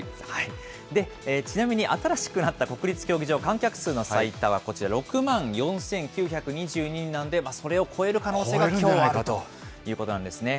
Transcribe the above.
で、ちなみに新しくなった国立競技場、観客数の最多はこちら、６万４９２２人なんで、それを超える可能性がきょうはあるということなんですね。